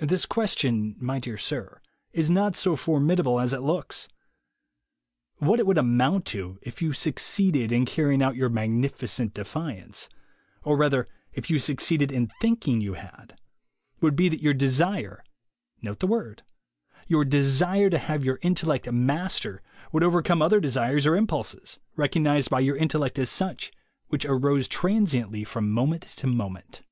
This question, my dear sir, is not so formidable as it looks. What it would amount to, if you succeeded in carrying out your magnificent defiance, or rather, if you succeeded in thinking you had, 10 THE WAY TO WILL POWER would be that your desire (note the word) your desire to have your intellect master would over come other desires or impulses, recognized by your intellect as such, which arose transiently from moment to moment.